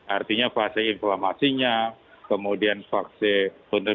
artinya fase inflamasinya kemudian fase penularan